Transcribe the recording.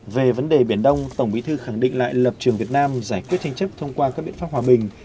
về vấn đề biển đông tổng bí thư khẳng định lại lập trường việt nam giải quyết tranh chấp thông qua các biện pháp hòa bình